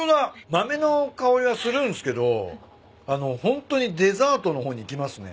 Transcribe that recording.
豆の香りはするんすけどあのホントにデザートの方にいきますね。